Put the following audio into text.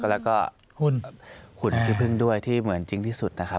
แล้วก็หุ้นหุ่นขี้พึ่งด้วยที่เหมือนจริงที่สุดนะครับ